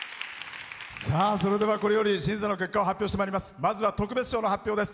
それでは、これより審査の結果を発表してまいります。